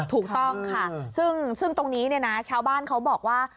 ถูกต้องค่ะซึ่งตรงนี้เนี่ยนะชาวบ้านเขาบอกว่า